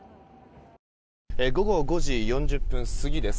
午後５時４０分過ぎです。